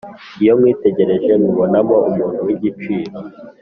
iyo kwitegereje nkubonamo umuntu w’igiciro